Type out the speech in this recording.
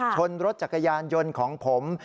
ชนรถจักรยานยนต์ของผม